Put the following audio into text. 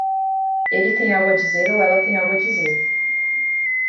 Ele tem algo a dizer ou ela tem algo a dizer.